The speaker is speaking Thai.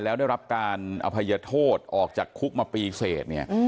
แล้วได้รับการอภัยโทษออกจากคุกมาปีเสร็จเนี่ย